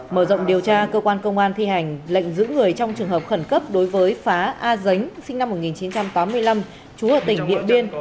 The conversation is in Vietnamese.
mở rộng điều tra cơ quan công an thi hành lệnh giữ người trong trường hợp khẩn cấp đối với phá a dính sinh năm một nghìn chín trăm tám mươi năm trú ở tỉnh điện biên